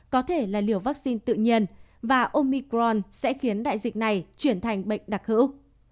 có thể là liều vaccine tự nhiên và omicron sẽ khiến đại dịch này chuyển thành bệnh đặc hữu